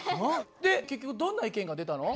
で結局どんな意見が出たの？